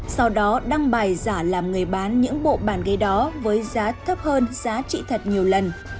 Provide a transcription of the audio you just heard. sau đó đăng bài giả làm người bán những bộ bàn ghế đó với giá thấp hơn giá trị thật nhiều lần